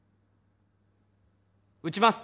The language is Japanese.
撃ちます。